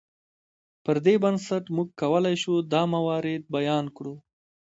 پر دې بنسټ موږ کولی شو دا موارد بیان کړو.